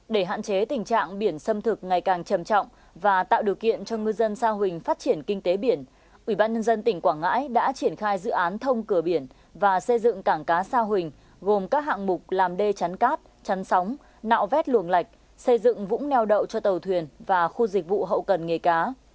để hạn chế tình trạng biển xâm thực ngày càng trầm trọng và tạo điều kiện cho ngư dân sa huỳnh phát triển kinh tế biển ubnd tỉnh quảng ngãi đã triển khai dự án thông cửa biển và xây dựng cảng cá sa huỳnh gồm các hạng mục làm đê chắn cát chắn sóng nạo vét luồng lạch xây dựng vũng neo đậu cho tàu thuyền và khu dịch vụ hậu cần nghề cá